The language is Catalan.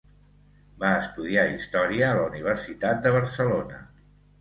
Va estudiar història a la Universitat de Barcelona.